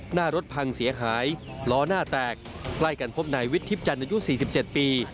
หน้ารถพังเสียหายล้อหน้าแตกใกล้กันพบนายวิททิพจันทร์อายุ๔๗ปี